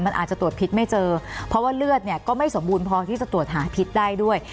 มันอาจจะตรวจพิษไม่เจอเพราะว่าเลือดเนี่ยก็ไม่สมบูรณ์พอที่จะตรวจหาพิษได้ด้วย